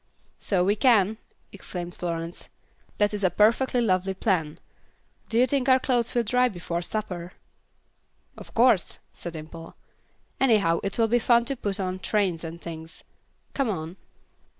"So we can," exclaimed Florence. "That is a perfectly lovely plan. Do you think our clothes will dry before supper?" "Of course," said Dimple; "anyhow it will be funny to put on trains and things. Come on."